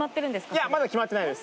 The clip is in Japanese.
いやまだ決まってないです